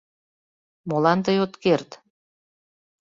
Молан тый от керт?